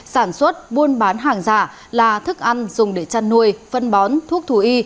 sản xuất buôn bán hàng giả là thức ăn dùng để chăn nuôi phân bón thuốc thù y